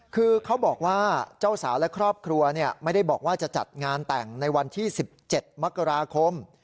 คือเขาบอกว่าเจ้าสาวและครอบครัวไม่ได้บอกว่าจะจัดงานแต่งในวันที่๑๗มกราคม